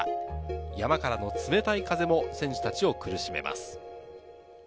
山からの冷たい風も選手たちを苦しめます。